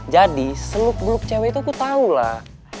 jadi seluk beluk cewek itu aku tau lah